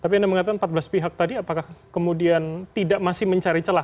tapi anda mengatakan empat belas pihak tadi apakah kemudian tidak masih mencari celah